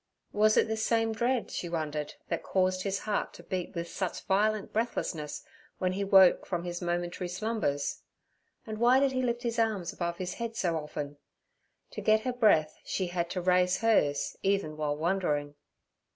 Was it this same dread, she wondered, that caused his heart to beat with such violent breathlessness when he woke from his momentary slumbers? and why did he lift his arms above his head so often? To get her breath she had to raise hers even while wondering.